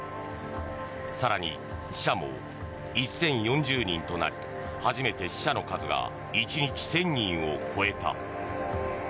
更に、死者も１０４０人となり初めて死者の数が１日１０００人を超えた。